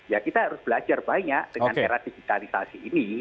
ya kita harus belajar banyak dengan era digitalisasi ini